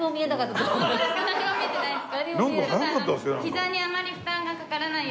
何も見えてないですか？